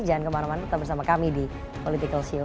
jangan kemarau marau tetap bersama kami di politico shield